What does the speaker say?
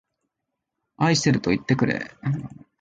愛しているといってくれ